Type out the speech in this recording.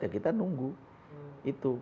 ya kita nunggu itu